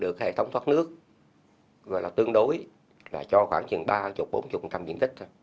được hệ thống thoát nước và là tương đối là cho khoảng chừng ba mươi bốn mươi một trăm linh diện tích thôi